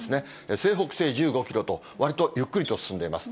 西北西１５キロと、わりとゆっくりと進んでいます。